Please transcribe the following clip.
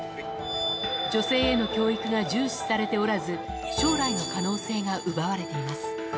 女性への教育が重視されておらず、将来の可能性が奪われています。